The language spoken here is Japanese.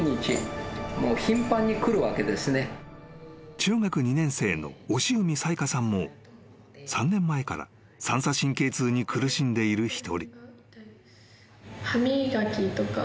［中学２年生の鴛海咲花さんも３年前から三叉神経痛に苦しんでいる一人］